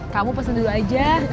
kamu pesan dulu aja